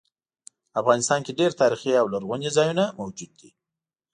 افغانستان کې ډیر تاریخي او لرغوني ځایونه موجود دي